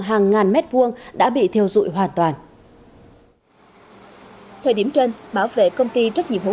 hàng ngàn mét vuông đã bị theo dụi hoàn toàn thời điểm trên bảo vệ công ty trách nhiệm hữu